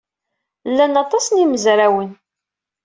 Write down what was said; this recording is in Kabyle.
Lan aṭas n yimezrawen.